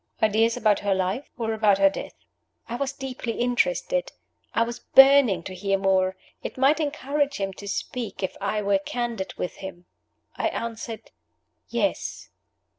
"Ideas about her life? or about her death?" I was deeply interested; I was burning to hear more. It might encourage him to speak if I were candid with him. I answered, "Yes."